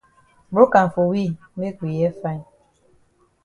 Broke am for we make we hear fine.